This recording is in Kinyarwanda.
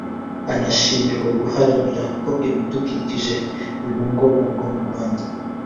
unashimirwa guharanira ko ibidukikije bibungabungwa mu Rwanda